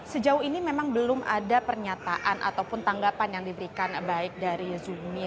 sejauh ini memang belum ada pernyataan ataupun tanggapan yang diberikan baik dari zumi